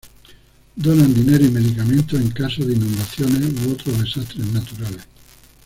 Donan dinero y medicamentos en casos de inundaciones u otros desastres naturales.